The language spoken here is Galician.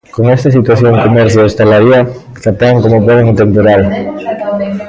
Con esta situación, comercio e hostalaría capean como poden o temporal.